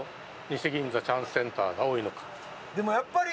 でもやっぱり。